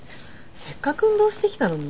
せっかく運動してきたのに？